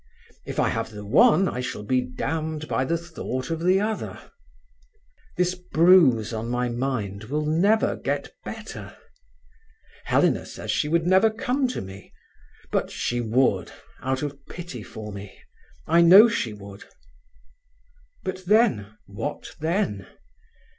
If I have the one, I shall be damned by the thought of the other. This bruise on my mind will never get better. Helena says she would never come to me; but she would, out of pity for me. I know she would. "But then, what then?